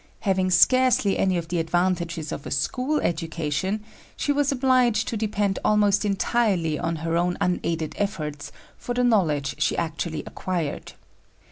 Having scarcely any of the advantages of a school education, she was obliged to depend almost entirely on her own unaided efforts for the knowledge she actually acquired.